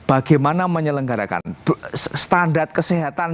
bagaimana menyelenggarakan standar kesehatan